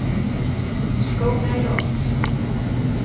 Sko nei lofts.